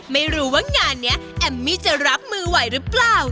ไม่รู้ว่างานนี้แอมมี่จะรับมือไหวหรือเปล่า